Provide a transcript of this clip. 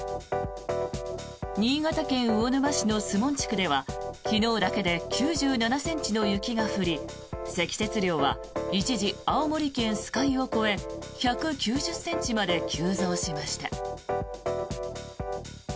新潟県魚沼市の守門地区では昨日だけで９７ｃｍの雪が降り積雪量は一時、青森県酸ケ湯を超え１９０ｃｍまで急増しました。